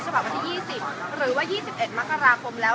วันที่๒๐หรือว่า๒๑มกราคมแล้ว